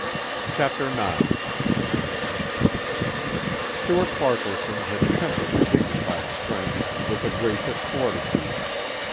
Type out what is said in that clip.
CHAPTER IX Stuart Farquaharson had tempered a dignified strength with a gracious fortitude.